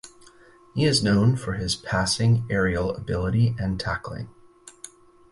He is known for his passing, aerial ability and tackling.